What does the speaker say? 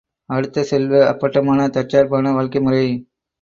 அடுத்து செல்வ, அப்பட்டமான தற்சார்பான வாழ்க்கைமுறை.